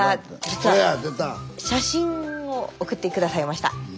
実は写真を送って下さいました。